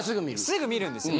すぐ見るんですよ。